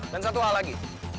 dan satu hal lagi